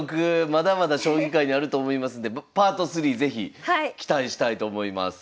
まだまだ将棋界にあると思いますんでＰａｒｔ３是非期待したいと思います。